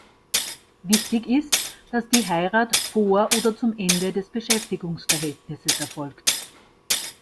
Wichtig ist, dass die Heirat vor oder zum Ende des Beschäftigungsverhältnisses erfolgt.